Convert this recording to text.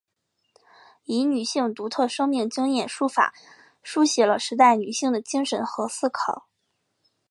以女性的独特生命经验书法抒写了时代女性的精神和思考。